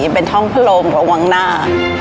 เป็นห้องพรมหรือหวังหน้า